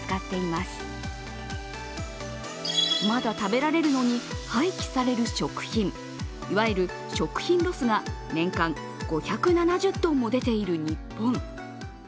まだ食べられるのに廃棄される食品、いわゆる食品ロスが年間５７０トンも出ている日本。